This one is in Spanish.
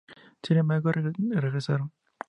Sin embargo, regresaron.